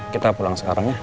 kita pulang sekarang ya